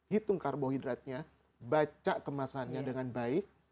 hitung karbohidratnya baca kemasannya dengan baik